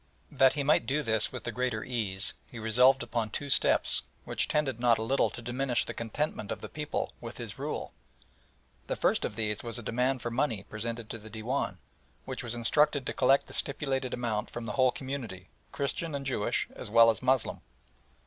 That he might do this with the greater ease he resolved upon two steps, which tended not a little to diminish the contentment of the people with his rule. The first of these was a demand for money presented to the Dewan, which was instructed to collect the stipulated amount from the whole community, Christian and Jewish as well as Moslem.